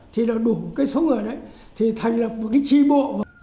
thì là đủ cái số người đấy thì thành lập một cái tri bộ